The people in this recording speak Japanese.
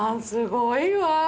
すごいわ！